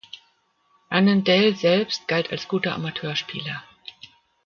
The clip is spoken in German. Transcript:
Annandale selbst galt als guter Amateurspieler.